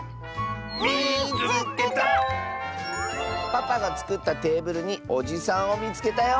「パパがつくったテーブルにおじさんをみつけたよ！」。